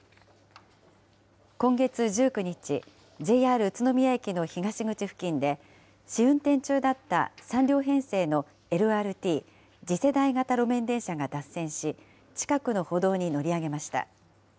今月１９日、ＪＲ宇都宮駅の東口付近で、試運転中だった３両編成のＬＲＴ・次世代型路面電車が脱線し、近くの歩道に乗り上げました。